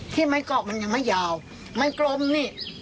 ที่ไม่เกาะมันยังไม่ยาวไม่กลมนี่